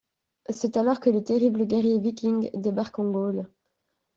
C’est alors que les terribles guerriers Vikings débarquent en Gaule.